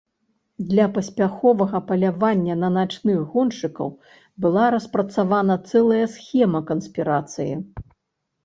Для паспяховага палявання на начных гоншчыкаў была распрацавана цэлая схема канспірацыі.